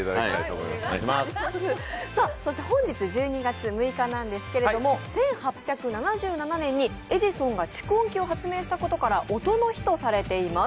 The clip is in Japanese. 本日１２月６日なんですけれども、１８７７年にエジソンが蓄音機を発明したことから音の日とされています。